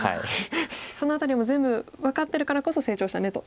その辺りも全部分かってるからこそ「成長したね」と。